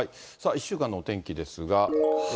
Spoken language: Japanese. １週間のお天気ですが。